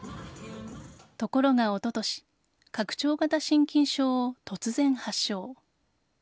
ところがおととし拡張型心筋症を突然、発症。